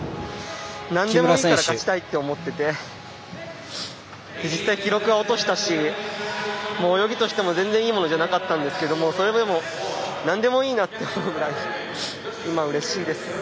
何でもいいから勝ちたいと思っていて実際、記録は落としたし泳ぎとしても全然いいものじゃなかったんですけどそれよりも何でもいいなというぐらい今うれしいです。